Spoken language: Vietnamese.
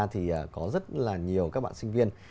thì có rất là nhiều các bạn sinh viên